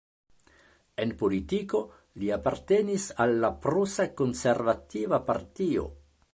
En politiko, li apartenis al la prusa konservativa partio.